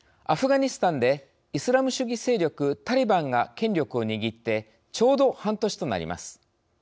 アフガニスタンでイスラム主義勢力タリバンが権力を握ってちょうど半年となります。